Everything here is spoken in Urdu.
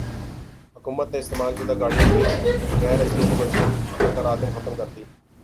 حکومت نے استعمال شدہ گاڑیوں کی غیر رسمی کمرشل درامد ختم کردی